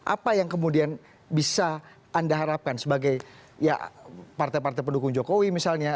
apa yang kemudian bisa anda harapkan sebagai ya partai partai pendukung jokowi misalnya